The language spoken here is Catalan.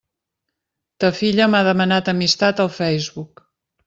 Ta filla m'ha demanat amistat al Facebook.